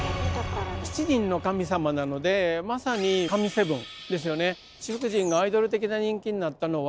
７人の神様なのでまさに「神７」ですよね。